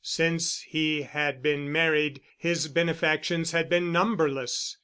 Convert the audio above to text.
Since he had been married his benefactions had been numberless.